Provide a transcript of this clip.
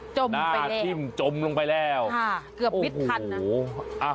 จมไปแล้วน่าทิ้งจมลงไปแล้วค่ะเกือบวิทย์ทันนะ